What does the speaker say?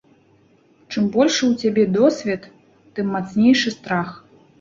Чым большы ў цябе досвед, тым мацнейшы страх.